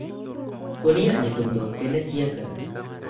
ᱩᱱᱤᱭᱟᱜ ᱧᱩᱛᱩᱢ ᱫᱚ ᱠᱮᱱᱮᱪᱤᱭᱟ ᱠᱟᱱᱟ᱾